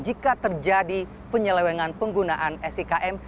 jika terjadi penyelewengan penggunaan sikm